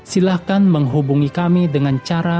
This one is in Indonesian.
silakan menghubungi kami dengan cara